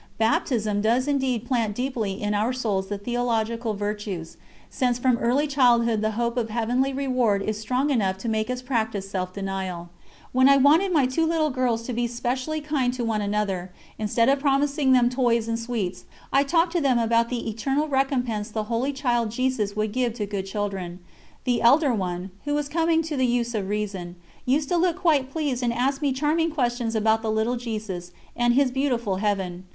Baptism does indeed plant deeply in our souls the theological virtues, since from early childhood the hope of heavenly reward is strong enough to make us practise self denial. When I wanted my two little girls to be specially kind to one another, instead of promising them toys and sweets, I talked to them about the eternal recompense the Holy Child Jesus would give to good children. The elder one, who was coming to the use of reason, used to look quite pleased and asked me charming questions about the little Jesus and His beautiful Heaven.